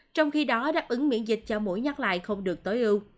trong khi đó đáp ứng miễn dịch cho mũi nhắc lại không được tối ưu